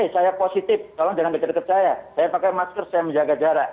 saya positif tolong jangan deket deket saya saya pakai masker saya menjaga jarak